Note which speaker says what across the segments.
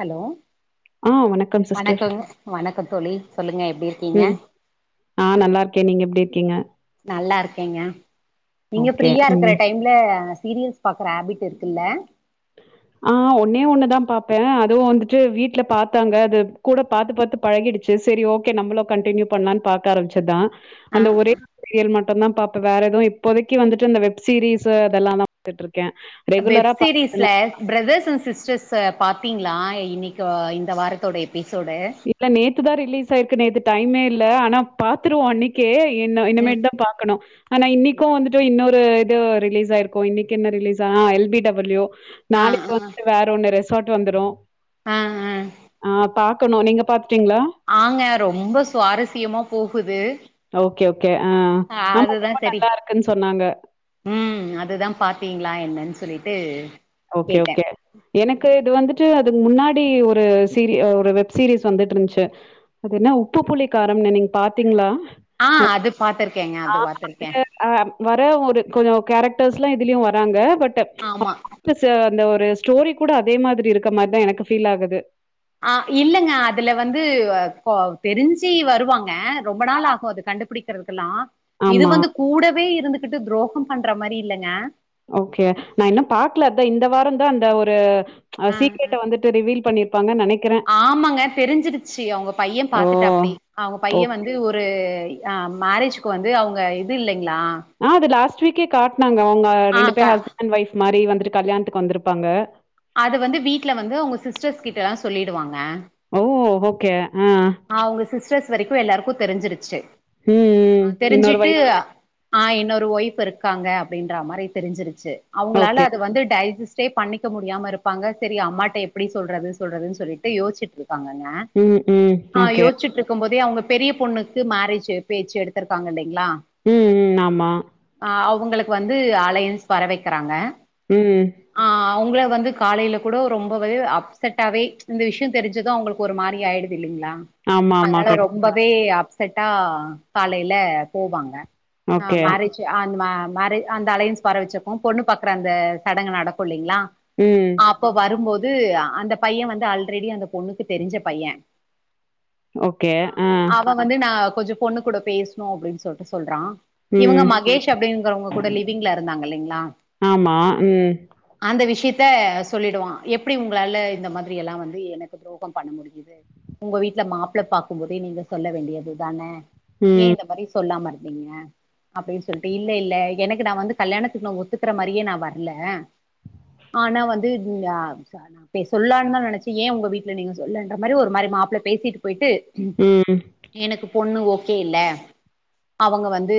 Speaker 1: Hello
Speaker 2: ஆ வணக்கம் sister.
Speaker 1: வணக்கங்க, வணக்கம் தோழி சொல்லுங்க எப்டி இருக்கீங்க?
Speaker 2: ம் ஆ நல்லா இருக்கே. நீங்க எப்டி இருக்கீங்க?
Speaker 1: நல்லா இருக்கேங்க நீங்க
Speaker 2: ஓகே.
Speaker 1: ஃப்ரீயா இருக்கற
Speaker 2: ம்.
Speaker 1: டைம்ல சீரியல்ஸ் பாக்குற ஹேபிட் இருக்குல்ல
Speaker 2: ஆ ஒன்னே ஒண்ணுதா பாப்பே அதுவு வந்துட்டு வீட்ல பாாத்தாங்க அது கூட பாத்து பாத்து பழகிடுச்சு சேரி ஓகே நம்மளு கண்டினியூ பண்லானு பாக்க ஆரம்பிச்சதுதா
Speaker 1: ஆ
Speaker 2: அந்த ஒரே ஒரு சீரியல் மட் டுந்தா பாப்பு வேற எதுவு இப்போதைக்கு வந்துட்டு இந்த வெப் சீரீஸ் அதெல்லாதா பாத்துட்டு இருக்கே ரெகுலரா பா
Speaker 1: ஸ்ல பிரதர்ஸ் அண்ட் சிஸ்டர்ஸ் பாத்தீங்களா இன்னைக்கு இந்த வாரத்தோட எபிசோட
Speaker 2: த்துதா ரிலீஸ் ஆயிருக்கு நேத்து இது டைமே இல்ல ஆனா பாத்துருவோ இன்னு அன்னைக்கே
Speaker 1: ம்
Speaker 2: இன்னுமேட்டுதா பாக்கணு ஆனா இன்னைக்கு வந்துட்டு இன்னொரு இது ரிலீஸ் ஆயிருக்கு இன்னைக்கு என்ன ரிலீஸ் ஆ எல் பி டபிள்யூ
Speaker 1: ஆ
Speaker 2: நாளைக்கு
Speaker 1: ஆ
Speaker 2: வந்து வேற ஒன்னு ரெசார்ட் வந்துரு
Speaker 1: ஆ ஆ
Speaker 2: ஆ பா க்கணு நீங்க பாத்துட்டீங்ளா
Speaker 1: ஆங்க ரொம்ப சுவாரஸ்யமா போகுது
Speaker 2: ஓகே ஓகே ஆ ஆமா
Speaker 1: அதுதா
Speaker 2: ரொம்ப
Speaker 1: சரி
Speaker 2: நல்லா இருக்குன் சொன்னாங்க
Speaker 1: ம் அதுதா பாத்திங்ளா என்னன் சொல்லிட்டு
Speaker 2: ஓகே
Speaker 1: கேட்டே
Speaker 2: ஓகே எனக்கு இது வந்துட்டு முன்னாடி ஒரு சீ ஒரு வெப் சீரிஸ் வந்துட்ருந்துச்சு அது என்ன உப்பு புளி காரம்னு நீங்க பாத்திங்ளா
Speaker 1: ஆ அது பாத்திருக்கேங்க
Speaker 2: ஆ
Speaker 1: அது பாத்திருக்கே
Speaker 2: அதுல ஆ வர ஒரு கொஞ்சொ கேரக்டர்ஸ்லா இதுலயு வராங்க பட்
Speaker 1: ஆமா
Speaker 2: [inaudible] அந்த ஒரு ஸ்டோரி கூட அதே மாரி இருக்க மாரிதா எனக்கு ஃபீல் ஆகுது
Speaker 1: ஆ இல்லங்க அதுல வந்து அ ப தெரிஞ்சி வருவாங்க ரொம்ப நாள் ஆகு அது கண்டுபிடிக்கிறதுக்கெலா இது
Speaker 2: ஆமா.
Speaker 1: வந்து கூட வே இருந்துகிட்டு துரோகம் பண்ற மாரி இல்லங்க
Speaker 2: ஓகே நா இன்னு பாக்ல அதா இந்த வாரந்தா அந்த ஒரு ஆ சீக்ரெட்ட வந்துட்டு ரிவீல் பண்ணிருப்
Speaker 1: ஆமாங்க தெரிஞ்சிருச்சி அவுங்க பைய
Speaker 2: ஓ!
Speaker 1: பாத்துட்டாப்டி அவுங்க பைய
Speaker 2: ஓகே.
Speaker 1: வந்து ஒரு ஆ மேரேஜ்க்கு வந்து அவுங்க இது இல்லைங்
Speaker 2: ஆ அது லாஸ்ட் வீக்கே காட்னாங்க அவங்க
Speaker 1: ஆ
Speaker 2: ரெண்டு
Speaker 1: க
Speaker 2: பேர் ஹஸ்பண்ட் அண்டு ஒய்ஃப் மாரி வந்துட்டு கல்யாணத்துக்கு வந்துருப்பாங்க
Speaker 1: அது வந்து வீட்ல வந்து அவுங்க சிஸ்டர்ஸ் கிட்டல்லா சொல்லிடுவாங்க
Speaker 2: ஓ! ஓகே. ஆ.
Speaker 1: அவுங்க சிஸ்டர்ஸ் வரைக்கு எல்லாருக்கு தெரிஞ்சிருச்சி
Speaker 2: ம், ம்.
Speaker 1: ஆ
Speaker 2: இன்னொரு
Speaker 1: தெரிஞ்சிட்டு
Speaker 2: ஒய்ஃப்.
Speaker 1: ஆ இன்னொரு ஒய்ஃப் இருக்காங்க அப்படின்ற மாரி தெரிஞ்சிருச்சி அவுங்களால
Speaker 2: ஓகே.
Speaker 1: அது வந்து டைஜஸ் டே பண்ணிக்க முடியாம இருப்பாங்க செரி அம்மாட்ட எப்படி சொல்றது சொல்றதுன் சொல்லிட்டு யோசிச்சிட்ரு
Speaker 2: ம் ம்
Speaker 1: ஆ
Speaker 2: ஓகே.
Speaker 1: யோச்சிட்டுருக்கும் போதே அவுங்க பெரிய பொண்ணுக்கு மேரேஜ் பேச்சி எடுத்திருக்காங்க இன்னக்
Speaker 2: ம் ம் ஆமா
Speaker 1: உங்களுக்கு வந்து அலையன்ஸ் வர வெக்கிறாங்க
Speaker 2: ம்
Speaker 1: அவுங்கள வந்து காலேல கூட ரொம்பவே அப்செட்டாவே இந்த விஷ்யோ தெரிஞ்சது அவுங்களுக்கு ஒரு மாரி ஆயிடு துல்லைங்ளா
Speaker 2: ஆமாமா.
Speaker 1: அதனால
Speaker 2: கண்
Speaker 1: ரொம்பவே அப்செட்டா காலேல போவாங்க ஆ
Speaker 2: ஓகே.
Speaker 1: மேரேஜி ஆ அந்த மேம் மேரேஜ் அந்த அலையன்ஸ் வர வச்சப்போ பொண்ணு பாக்கற அந்த சடங்கு நடக்குல்லைங்ளா
Speaker 2: ம்.
Speaker 1: அப்ப வரும்போது அந்த பையே வந்து அல்ரெடி அந்த பொண்ணுக்கு தெரிஞ்ச பையே ஆ அவ வந்து நா கொஞ்சோ பொண்ணு கூட பேசுணு அப்டின் சொல்ட்டு சொல்றா இவுங்க
Speaker 2: ம்.
Speaker 1: மகேஷ் அப்டிங்கறவங்க கூட லிவிங்ல இருக் இருந்தாங்க இல்லைங்ளா
Speaker 2: ஆமா ம்
Speaker 1: அந்த விஷயத்த சொல்லிடுவா எப்டி உங்களால இந்த மாதிரியெல்லா வந்து எனக்கு துரோகம் பண்ண முடியிது உங்க வீட்ல மாப்ள பாக்கும் போதே நீங்க சொல்ல வேண்டியது தான ஏன்
Speaker 2: ம்.
Speaker 1: இந்த மாரி சொல்லாமருக் டிங்க அப்டின்னு சொல்லிட்டு இல்ல இல்ல எனக்கு நா வந்து கல்யாணத்துக்கு நா ஒத்துக்கற மாரியே நா வரல ஆனா வந்து ஆ நா பே சொல்லான் தா நெனைச்சே ஏ உங்க வீட்ல நீங்க சொல்லன்ற மாரி ஒரு மாரி மாப் உள்ள பேசீட்டு போயிட்டு
Speaker 2: ம்.
Speaker 1: எனக்கு பொண்ணு ஓகே இல்ல அவுங்க வந்து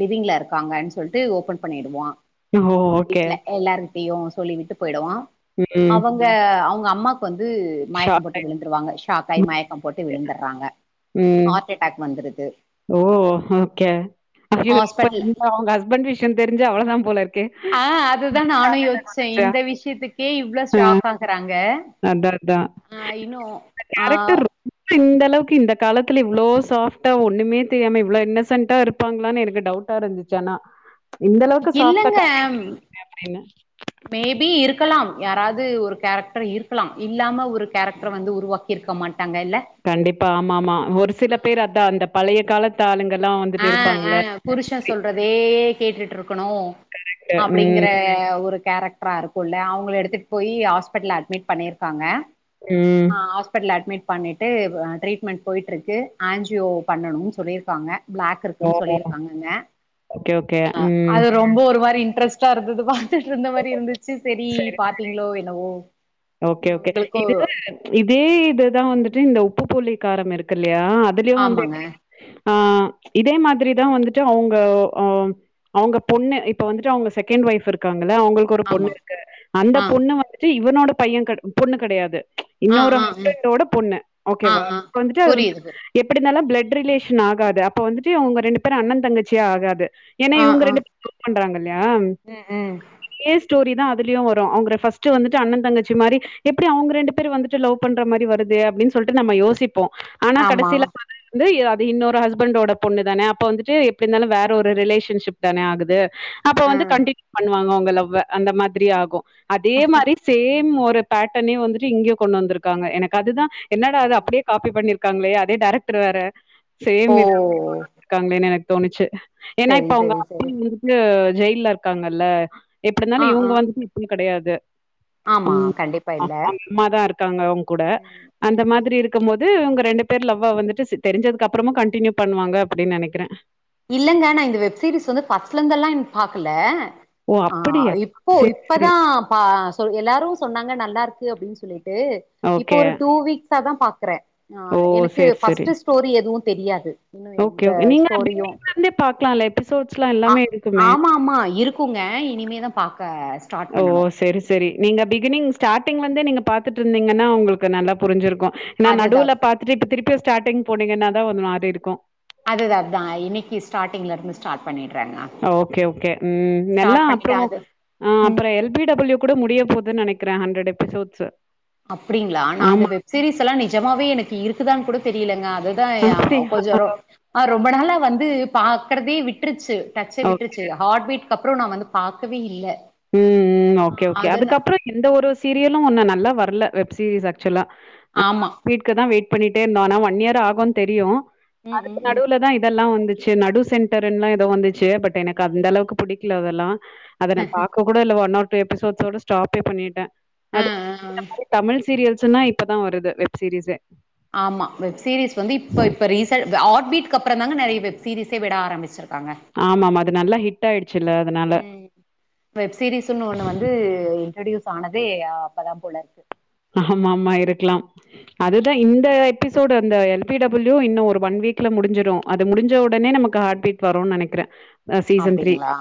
Speaker 1: லிவிங்ல இருக்காங்கன்னு சொல்ட்டு ஓபன் பண்ணிடுவா
Speaker 2: ம் ஓ ஓகே
Speaker 1: எப்டியு சொல்லி விட்டு போய்டுவா
Speaker 2: ம்.
Speaker 1: அவங்க அவங்க அம்மாக்கு வந் து மயக்கோ
Speaker 2: ஷாக்
Speaker 1: போட்டு
Speaker 2: ஆயி
Speaker 1: விழுந்துருவாங்க ஷாக்காயி மயக்கோ போட்டு விழுந்துறாங்க
Speaker 2: ம்.
Speaker 1: ஹார்ட் அட்டாக் வந்
Speaker 2: ஓ ஓகே அய்யயோ இப்ப
Speaker 1: ஹாஸ்பிட்டல்
Speaker 2: அவங்க அவுங்க ஹஸ்பண்ட் விஷ்யோ தெரிஞ்சா அவ்ளோதா போலருக்கே
Speaker 1: ஆ அதுதா நானு யோசிச்சே இந்த விஷ்யத்துக் கே இவ்ளோ
Speaker 2: ஆ.
Speaker 1: ஷாக்காகறாங்க
Speaker 2: அதான், அதான்.
Speaker 1: ஆ இன்னு ஆ
Speaker 2: இந்தளவுக்கு இந்த காலத்துல இவ்ளோ சாஃப்டா ஒண்ணுமே தெரியாம இவ்ளோ இன்னசன்ட்டா இருப்பாங்ளான்னு எனக்கு டவுட் டா இருந்துச்சி ஆனா இந்த அளவுக்கு சாஃப்ட்டா
Speaker 1: இல்லங்க
Speaker 2: காட்டியிருப்பாங்க அப்படின்னு.
Speaker 1: மே பி இருக்கலாம் யாராது ஒரு கேரக்டர் இருக்கலாம் இல்லாம ஒரு கேரக்டர வந்து உருவாக்கிருக்க மாட்
Speaker 2: கண்டிப்பா ஆமா ஆமா ஒரு சில பேரு அதா அந்த பழைய காலத்து ஆளுங்கெல்லா
Speaker 1: ஆ
Speaker 2: வந்துட்டு
Speaker 1: ஆ
Speaker 2: இருப்பாங்க
Speaker 1: புருஷன் சொல்றதே கேட்டுட்டு இருக்கணு அப்டிங்கற
Speaker 2: ம்.
Speaker 1: ஒரு கேரக்டரா இருக்குல்ல அவு வுங்கள எடுத்துட் போயி ஹாஸ்பெட்டல்ல அட்மிட் பண்ணியிருக்காங்க
Speaker 2: ம்.
Speaker 1: ஹாஸ்பெட்டல்ல அட்மிட் பண்ணிட்டு அ ட்ரீட்மெண்ட் போயிட்ருக்கு ஆன்ஜியோ பண்ணணுன் சொல்லியிருக்காங்க பிளாக்கிருக்குன்னு
Speaker 2: ஓ!
Speaker 1: சொல்லிருக்காங்கங்க
Speaker 2: ஓகே, ஓகே. ம்.
Speaker 1: அ டாரெஸ்ட்டாருந்தது பாத்துட்டு இருந்த மாரி இருந்துச்சு செரி
Speaker 2: சரி.
Speaker 1: பாத்தீங்ளோ என்னவோ
Speaker 2: ஓகே
Speaker 1: ம்
Speaker 2: ஓகே
Speaker 1: உங்களுக்கோ
Speaker 2: இதுத்து இதே இதுதா வந்துட் டு இந்த உப்பு புளி காரமிருக்கில்லையா அதுலே வந்து [inaudible]
Speaker 1: ஆமாங்க. [inaudible]
Speaker 2: இதே மாதிரிதா வந்துட்டு அவங்க ஆ அவங்க பொண்ணு இப்ப வந்துட்டு அவங்க செகண்ட் ஒய்ஃப் இருக்கு ங்கள அவுங்களுக்கு ஒரு
Speaker 1: ஆமா.
Speaker 2: பொண்ணுருக்கு அந்த
Speaker 1: ஆ.
Speaker 2: பொண்ணு வந்துட்டு இவனோட பையே பொண்ணு கடையாது
Speaker 1: ஆ
Speaker 2: இன்னொரு
Speaker 1: ஆ ஆ.
Speaker 2: ஹஸ்பண்டோட பொண்ணு
Speaker 1: ஆ
Speaker 2: ஓகேவா
Speaker 1: ஆ
Speaker 2: வந்துட்டு அது
Speaker 1: புரியுது புரி
Speaker 2: எப்பிடினாலும் ப்ளட் ரிலேஷன் ஆகாது அப்போ வந்துட்டு அவுங்க ரெண்டு பேரு அண்ணன் தங்கச்சி ஆகாது ஏன்னா
Speaker 1: ஆ
Speaker 2: இவுங்க
Speaker 1: ஆ
Speaker 2: ரெண்டு பேரு லவ் பண்றாங்கல்லையா
Speaker 1: ம் ம்
Speaker 2: சேம் ஸ்டோரி தா அதுலியு வரு அவுங்க ஃப்ஸ்ட்டுவந்துட்டு அண்ணன் தங்கச்சி மாரி எப்பிடி அவுங்க ரெண்டு பேர் வந்துட்டு லவ் பண்ற மாரி வருது அப்டின்னு சொல்ட்டு நம்ம யோசிப்போ ஆனா
Speaker 1: ஆமா
Speaker 2: கடைசியில [inaudible] வந்து அ இன்னொரு ஹஸ்பண்டோட பொண்ணு தான அப்ப வந்துட்டு எப்பிடி இருந்தாலு வேற ஒரு ரிலேஷன்ஷிப் தான ஆகுது அப்ப வந்து
Speaker 1: ம்
Speaker 2: கண்டினியூ பண்ணுவாங்க அவங்க லவ்வ அந்த மாதிரி ஆகு அதே மாதிரி சேம் ஒரு பேட்டர்னே வந்துட்டு இங்கே கொண்டு வந்திருக்காங்க எனக்கு அதுதா என்னட அது அப்டியே காபி பண்ணி இருக்காங்களே அதே டேரக்டர் வேற சேம்
Speaker 1: ஓ
Speaker 2: இது இருக்காங்களேன்னு எனக்கு தோணுச்சு ஏன்னா
Speaker 1: செரி
Speaker 2: இப்ப அவங்க
Speaker 1: செரி
Speaker 2: அப்ப
Speaker 1: செரி
Speaker 2: வந்துட்டு ஜெயில்ல இருக்காங்கல்ல எப்டினாலு
Speaker 1: ஆ ஆ
Speaker 2: இவங்க வந்துட்டு [unintelligible] கடையாது
Speaker 1: ஆமா கண்டிப்பா இல்ல
Speaker 2: அம்மாதா இருக்காங்க அவங்க கூட
Speaker 1: ம்
Speaker 2: அந்த
Speaker 1: ம்
Speaker 2: மாதிரி இருக்கு போது து‌ இவங்க ரெண்டு பேர் லவ்வ வந்துட்டு தெரிஞ்சதுக்கு அப்புறமு கண்டினியூ பண்ணுவாங்க அப்டின் நினைக்கிறே
Speaker 1: இல்லங்க நா இந்த வெப் சீரிஸ் வந்து ஃபர்ஸ்ட்ல இருந்து எல்லா பாக்கல
Speaker 2: ஓ
Speaker 1: ஆ
Speaker 2: அப்டியா
Speaker 1: இப்போ
Speaker 2: சேரி சேரி
Speaker 1: இப்பதா சொ எல்லாரு சொன்னாங்க ந நல்லா இருக்கு அப்டின்னு சொல்லிட்டு இப்ப
Speaker 2: ஓகே
Speaker 1: ஒரு டூ வீக்ஸா தா பாக்றே ஆ
Speaker 2: ஓ
Speaker 1: எனக்கு
Speaker 2: சேரி சேரி
Speaker 1: பஃர்ஸ்ட்டு ஸ்டோரி எதுவு தெரியாது இன்னு
Speaker 2: ஓகே
Speaker 1: எந்த
Speaker 2: ஓகே நீங்க
Speaker 1: ஸ்டோரியு
Speaker 2: பிகினிங்ல இருந்தே பாக்கலாம்ல எபிசோட்ஸ்லா
Speaker 1: ஆ
Speaker 2: எல்லாமே இருக்குமே
Speaker 1: ஆமா ஆமா இருக்குங்க இனிமே
Speaker 2: ஓ செரி செரி நீங்க பிகினிங் ஸ்டார்டிங்ல வந்து நீங்க பாத்துட்டு இருந்தீங்கன்னா உங்களுக்கு நல்லா புரிஞ்சிருக்கு எனா
Speaker 1: அதுதா
Speaker 2: நடுவுல பாத்துட்டு இப்ப திருப்பி யஸ் ஸார்டிங் போனீங்கன்னா தா ஒந் மாரி இருக்கு
Speaker 1: அது அது தா இன்னிக்கி ஸ்ட்டாடி்ங் ல இருந்து ஸ்டார்ட் பண்ணிரு
Speaker 2: ஓகே ஓகே ம் நல்லா
Speaker 1: ஸ்டார்ட் பண்ணிட்டு
Speaker 2: அப்றோ
Speaker 1: அது
Speaker 2: ஆ
Speaker 1: ம்
Speaker 2: அப்றோ எல் பி டபிள்யூ கூட முடிய போதுன்னு நினக் இருக்ற ஹண்ட்ரட் எஃபிசோட்
Speaker 1: அப்டிங்களா நா அந்த வெப்சீரிஸ் எல்லா நிஜமாவே எனக்கு இருக்குதான்னு கூட தெரியலங்க அதுதா ஆ
Speaker 2: அப்படியா?
Speaker 1: கொஞ்ச ரோ ரொம்ப நாளா வந்து பாக்றதே விட்ருச்சு டச்சே
Speaker 2: ஓகே.
Speaker 1: விட்ருச்சு ஹார்ட் பீட் அப்றோ நா வந்து பாக்கவே இல்ல
Speaker 2: ம் ம் ஓகே ஓகே
Speaker 1: அதன
Speaker 2: அதுக்கப்றோ எந்த ஒரு சீரியலு ஒன்னு நல்லா வரல வெப் சீரிஸ் ஆக்சுவலா
Speaker 1: ஆமா
Speaker 2: வீட்க்கு தா வெயிட் பண்ணிட்டே இருந்தோ ஆனா ஒன் இயர் ஆகுன் தெரியு
Speaker 1: ம்
Speaker 2: அதுக்கு
Speaker 1: ம் ம்
Speaker 2: நடுவுலதா இதெல்லா வந்து சே நடு சென்டர்ன்னு எதோ வந்துச்சு பட் எனக்கு அந்த அளவுக்கு புடிக்கல அதெல்லா
Speaker 1: ஹஹ
Speaker 2: இப்ப கூட இல்ல ஒன் ஆர் டூ எபிசோட் ஸ்டாப்பே பண்ணிட்டே
Speaker 1: ஆ
Speaker 2: அத்
Speaker 1: ஆ ஆ
Speaker 2: மாதிர தமிழ் சீரியல்ஸ்ன்னா இப்பதா வருது வெப் சீரிஸ்ஸே
Speaker 1: ஆமா வெப்சீரிஸ் வந்து இப்ப இப்ப ரீசல் ஹாட்பீட் அப்ற தாங்க நறைய வெப்சீரீஸ்ஸே விட ஆரம்பிச்சிருக்கு
Speaker 2: ஆமமா அது நல்லா ஹிட் ஆயிடுச்சுல்ல அதனால
Speaker 1: வெப்சீரிஸ்ன்னு ஒண்ணு வந்து இன்ட்ரடியூஸ் ஆனதே அப்பதா போல
Speaker 2: ஆமா ஆமா இருக்கலாம் அதுதா இந்த எபிசோ சோட் அந்த எல் பி பிள்யூ இன்னு ஒரு ஒன் வீக்ல முடி்ஞ்சிடு அது முடி்ஞ்ச உடனே நமக்கு ஹார்ட்பீட் வரும்னு நினைக்கிறே ஆ சீசன் த்ரீ
Speaker 1: அப்டிங்களா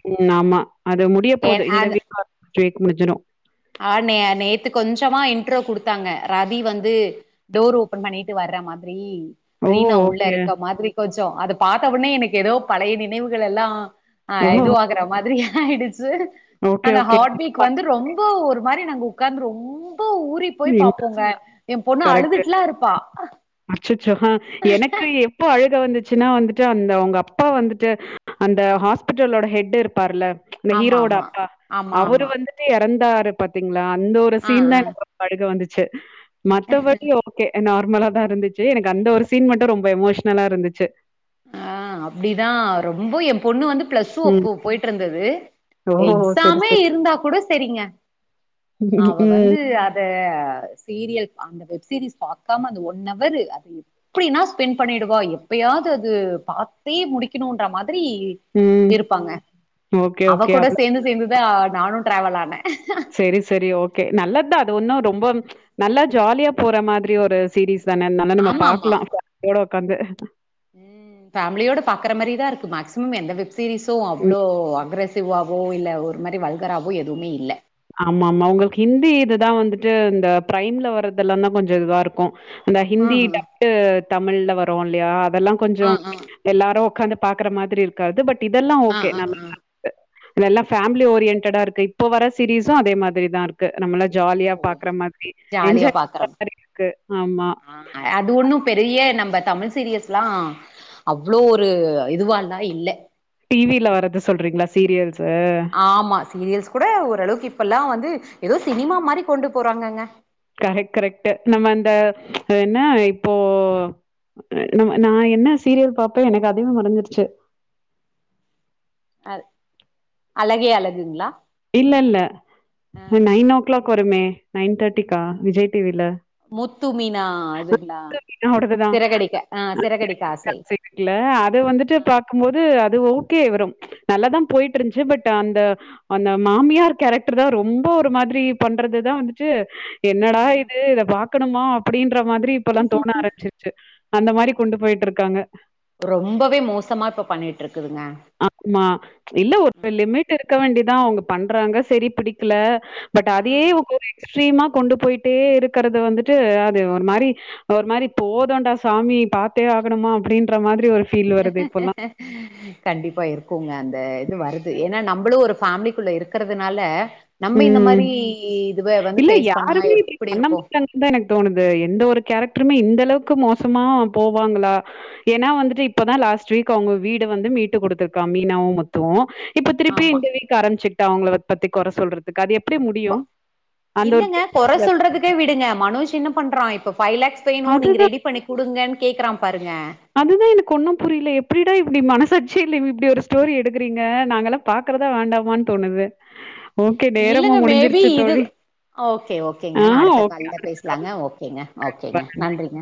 Speaker 2: ம் ஆமா அது முடிய
Speaker 1: ஏ
Speaker 2: போது இந்த
Speaker 1: அது
Speaker 2: வீக் [unintelligible] முடிஞ்சிடு
Speaker 1: ஆ நே நேத்து கொஞ்சமா இன்ட்ரோ குடுத்தாங்க ரதி வந்து டோர் ஓபன் பண்ணிட்டு வர மாதிரி
Speaker 2: ஓ!
Speaker 1: ரீனா உள்ள
Speaker 2: ஓகே.
Speaker 1: இருக்க மாதிரி கொஞ்ச அத பாத்த உடனே எனக்கு ஏதோ பழைய நினைவுகள் எல்லா அ
Speaker 2: ஓ!
Speaker 1: எதுவாகுற மாதிரி ஆயிடுச்சு
Speaker 2: ஓகே,
Speaker 1: அந்த
Speaker 2: ஓகே.
Speaker 1: ஹாட்பீக் வந்து ரொம் ஒரு மாதிரி நாங்க உட்கார்ந்து ரொம் போ ஊறி போய்
Speaker 2: இன்ட்ரெஸ்ட்
Speaker 1: பாப்போங்க எ பொண்ணு
Speaker 2: கரெக்ட்டு.
Speaker 1: அழுதுட்லா இருப்பா
Speaker 2: அச்சச்சோ! எனக்கு எப்போ அழுக வந்து ச்சுனா வந்துட்டு அந்த அவ்ங்க அப்பா வந்துட்டு அந்த ஹாஸ்பிட்டலோட ஹெட்டு இருப் பாருல இந்த
Speaker 1: ஆமா
Speaker 2: ஹீரோவோட
Speaker 1: ஆமா
Speaker 2: அப்பா
Speaker 1: ஆமா
Speaker 2: அவரு
Speaker 1: ஆமா
Speaker 2: வந்துட்டு எறந்தாரு பாத்தீங் அந்த ஒரு
Speaker 1: ஆ
Speaker 2: சீன் தா
Speaker 1: ஆ
Speaker 2: எனக்கு ரொம்ப அழுக வந்துச்சு மத்தபடி ஓகே நார் மலா தா இருந்துச்சு எனக்கு அந்த ஒரு சீன் மட்டு ரொம்ப எமோஷ்னலா இருந்துச்சு
Speaker 1: ஆ அப்டிதா ரொம்ப எ பொண்ணு வந்து பிளஸ் ஓ
Speaker 2: ம்.
Speaker 1: அப்ப போய்ட்டு இருந்தது
Speaker 2: ஓ! சரி,
Speaker 1: எக்ஸாமே
Speaker 2: சரி.
Speaker 1: இருந்தா கூட சரிங்க அவ வந்து
Speaker 2: ம்,
Speaker 1: அத ஆ சீரியல் அந்த வெப் சீரிஸ் பாக்காம அது ஒன் அவரு அது எப்டினா ஸ்பெண்ட் பண்ணிடுவா எப்பயாது அது பாத்தே முடிக்கணுன்ற மாதி ரி
Speaker 2: ம்.
Speaker 1: இருப்பாங்க
Speaker 2: ஓகே,
Speaker 1: அவ
Speaker 2: ஓகே.
Speaker 1: கூட
Speaker 2: அவ்ளோ
Speaker 1: சேர்ந்து சேர்ந்துதா நானு டிராவல் ஆனே
Speaker 2: செரி செரி ஓகே நல்லத் தா அது ஒன்னும் ரொம்ப நல்லா ஜாலியா போற மாதிரி ஒரு சீரீஸ் தான நம்ம பாக்லா யோட உக்காந்து
Speaker 1: உம் ஃபேமிலியோட பாக்குற மாரிதா இருக்கு மேக்சிமம் எந்த வெப் சீரிஸும் அவ்ளோ அக்ரசி வ்வாவோ இல்லை ஒரு மாரி வல்கராவோ எதுவுமே இல்ல
Speaker 2: ஆமா ஆமா உங்களுக்கு ஹிந்தி இதுதா வந்துட்டு இந்த பிரைம்ல வர்றதெல்லா தான் கொஞ்சோ இதுவா இருக்கு அந்த ஹிந்தி
Speaker 1: ஆஹா
Speaker 2: டப்டு தமிழ்ல வரோ இல்லையா அதெல்லா கொஞ்சோ
Speaker 1: ஆ ஆ
Speaker 2: எல்லாரு உக்காந்து பாக்குற மாதிரி இருக்காது பட் இதெல்லாம்
Speaker 1: ஆ
Speaker 2: ஓகே
Speaker 1: ஆ
Speaker 2: நல்ல
Speaker 1: ஆ
Speaker 2: நல்லா ஃபேமிலி ஓரியன்டடா இருக்கு இப்ப வர சீரிஸும் அதே மாதிரிதா இருக்கு நம்மளா
Speaker 1: ஓ
Speaker 2: ஜாலியா பாக்குற மாதிரி
Speaker 1: ஜாலியா
Speaker 2: என்ஜாய் [inaudible]
Speaker 1: பாக்குறோம்
Speaker 2: மாதிரி இருக்கு ஆமா
Speaker 1: ஆ அது ஒண்ணும் பெரிய நம்ம தமிழ் சீரியஸ்லா அவ்ளோ ஒரு இதுவால்லா இல்ல
Speaker 2: டிவில வரது சொல்றீங்களா சீரியல்
Speaker 1: ஆமா சீரியல்ஸ் கூட ஓரளவுக்கு இப்பல்லா வந்து ஏதோ சினிமா மாரி கொண்டு போறாங்கங்க
Speaker 2: கரெட் கரெக்ட்டு நம்ம அந்த என்ன இப்போ நம் நா என்ன சீரியல் பாப்பே எனக்கு அதுமே மறந்துருச்சு
Speaker 1: அத் அழகே அழகுங்ளா
Speaker 2: இல்லல்ல இ நைன் ஓ கிளாக் வருமே நைன் தேர்ட்டிக்கா விஜய் டிவில
Speaker 1: முத்து மீனா அதுங்களா
Speaker 2: யோவோடது தா
Speaker 1: ஆசை
Speaker 2: [unintelligible] அது வந்துட்டு
Speaker 1: ம்
Speaker 2: பாக்கும்போது அதுவு க்கே வரும் நல்லாதா போயிட்டு இருந்துச்சு பட் அந்த அந்த மாமியார் கேரக்டர் தா ரொம்ப ஒரு மாதிரி பண்றதுதான் வந்துட்டு என்னடா
Speaker 1: ம்
Speaker 2: இது இத பாக்கணுமா அப்டின் க்குற மாதிரி இப்பல்லா தோண ஆரமிச்சிச்சு அந்த மாதிரி கொண்டு போயிட்டு இருக்காங்க
Speaker 1: ரொம்பவே மோசமா இப்ப பண்ணிட்டு இருக்குதுங்க
Speaker 2: ஆமா இல்ல ஒரு லிமிட் இருக்க வேண்டித் தா அவங்க பண்றாங்க சரி பிடிக்கல பட் அதே
Speaker 1: ம்
Speaker 2: ஒரு எக்ஸ்ட்ரீமா கொண்டு போயிட்டே இருக்கிறது வந்துட்டு அது ஒரு மாரி ஒரு மாரி போதோண்டா சாமி பாத்தே பாக்கணுமா அப்டின்ற மாதிரி ஒரு ஃப்
Speaker 1: கண்டிப்பா இருக்குங்க அந்த இது வருது ஏன்னா நம் நம்மளு ஒரு ஃபேமிலிக்குள்ள இருக்கறதுனால
Speaker 2: உம் இல்ல
Speaker 1: பேஸ் பண்ணா
Speaker 2: யாருமே இப்டி
Speaker 1: எப்டி
Speaker 2: பண்ண
Speaker 1: இருக்கு
Speaker 2: மாட்டாங்கன்னு தா எனக்கு தோணுது எந்த ஒரு கேரக் டருமே இந்த அளவுக்கு மோசமா போவாங்களா ஏன்னா வந்துட்டு இப்பதான் லாஸ்ட் வீக் அவுங்க வீடு வந்து மீட்டு குடுத்திருக்கா மீனாவும் முத்துவும் இப்போ திருப்பி
Speaker 1: ஆமா
Speaker 2: இந்தவீக்கு ஆரம்பச்சிட்டா அவங்கள பத்தி கொற சொல்றதுக்கு அது எப் டி
Speaker 1: கொ
Speaker 2: முடியும் அந்த ஒரு [inaudible]
Speaker 1: இல்லங்க கொற சொல்றதுக்கே விடுங்க மனோஜ் என்ன பண்றான் இப்ப ஃபைவ் லேக்ஸ் வேணுநீங்க ரெடி பண்ணி குடுங்கன்னு கேக்குறா பாரு
Speaker 2: அதுதா எனக்கு ஒண்ணு புரில எப்டி டா இப்டி மனசாட்சி இல்லாம இப்டி ஒரு ஸ்டோரி எடுக்குறீங்க நாங்க எல்லா பாக்றதா வேண்டாமான்னு தோணுது ஓகே நேரமு
Speaker 1: இல்லங்க மேபி
Speaker 2: முடிஞ்சிருச்சு
Speaker 1: இது
Speaker 2: தோழி
Speaker 1: ஓகே
Speaker 2: ஆ
Speaker 1: ஓகேங்க நா அடுத்த கால்ல
Speaker 2: ஓகே.
Speaker 1: பேசலாங்க ஓகேங்க ஓகேங்க நன்றிங்க